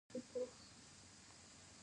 دوی د دې شیانو د ساتلو لپاره ساتونکي لري